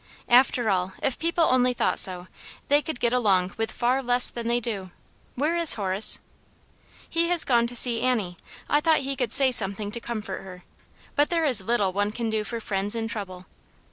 " After all, if people only thought so, they could get along with far less than they do. Where is Horace ?"" He has gone to see Annie. I thought he could say something to comfort her. But there is little one can do for friends in trouble.